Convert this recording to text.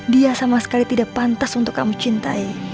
dia sama sekali tidak pantas untuk kamu cintai